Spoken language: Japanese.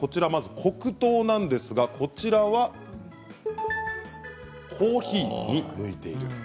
まず黒糖ですが、こちらはコーヒーに向いている。